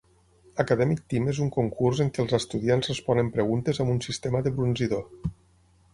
Academic Team és un concurs en què els estudiants responen preguntes amb un sistema de brunzidor.